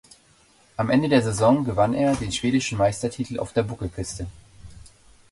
Am Ende der Saison gewann er den schwedischen Meistertitel auf der Buckelpiste.